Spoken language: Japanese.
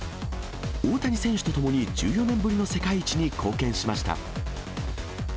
大谷選手と共に１４年ぶりの世界一に貢献しました。